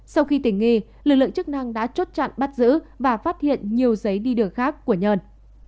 sau khi tỉnh nghi lực lượng chức năng đã chốt chặn bắt giữ và phát hiện nhiều giấy đi đường khác của nhơn